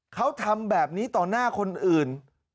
เขาทำแบบนี้ต่อหน้าคนอื่น